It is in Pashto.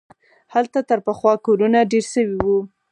هلته تر پخوا کورونه ډېر سوي وو.